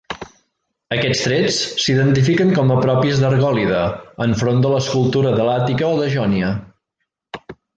Aquests trets s'identifiquen com a propis d'Argòlida enfront de l'escultura de l'Àtica o de Jònia.